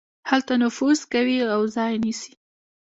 هلته نفوذ کوي او ځای نيسي.